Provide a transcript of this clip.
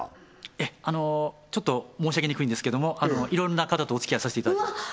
ええあのちょっと申し上げにくいんですけどもいろんな方とおつきあいさせていただいてます